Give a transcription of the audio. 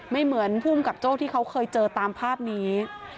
เหมือนภูมิกับโจ้ที่เขาเคยเจอตามภาพนี้